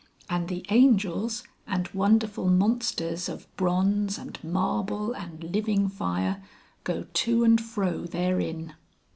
And the Angels, and wonderful monsters of bronze and marble and living fire, go to and fro therein.